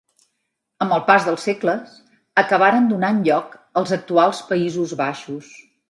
Amb el pas dels segles, acabaren donant lloc als actuals Països Baixos.